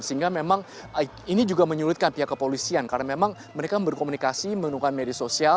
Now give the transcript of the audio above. sehingga memang ini juga menyulitkan pihak kepolisian karena memang mereka berkomunikasi menggunakan media sosial